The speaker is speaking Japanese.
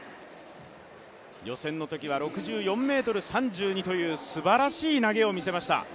予選のときは６４ｍ３２というすばらしい投げを見せました。